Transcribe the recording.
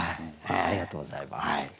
ありがとうございます。